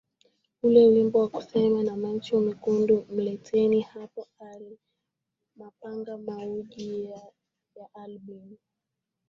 ule wimbo wa kusema ana macho mekundu mleteni hapa ale mapangaMauji ya albino